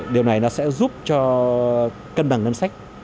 điều này nó sẽ giúp cho cân bằng ngân sách